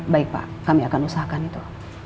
baik pak kami akan usahakan itu